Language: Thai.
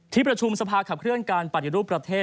ที่ประชุมสภาขับเคลื่อนการปฏิรูปประเทศ